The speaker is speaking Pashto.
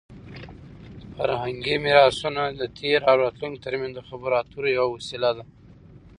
فرهنګي میراثونه د تېر او راتلونکي ترمنځ د خبرو اترو یوه وسیله ده.